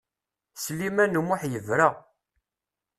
Sliman U Muḥ yebra.